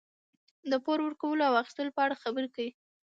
د پور ورکولو او اخیستلو په اړه خبرې کوي.